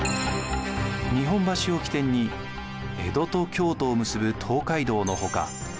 日本橋を起点に江戸と京都を結ぶ東海道の他